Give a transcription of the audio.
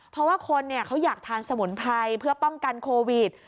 เพราะว่าคนเขาอยากทานสมุนไพรเพื่อป้องกันโควิด